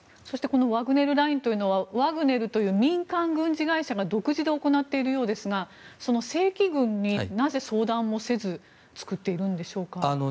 ワグネルラインというのはワグネルという民間軍事会社が独自で行っているようですが正規軍になぜ相談せず作っているんですか。